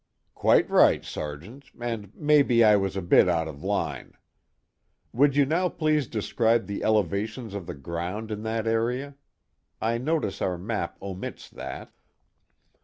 "Quite right, Sergeant, and maybe I was a bit out of line. Would you now please describe the elevations of the ground in that area? I notice our map omits that."